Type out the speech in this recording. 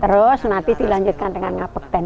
terus nanti dilanjutkan dengan ngapekten